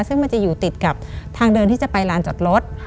ซึ่งมันจะอยู่ติดกับทางเดินที่จะไปลานจอดรถ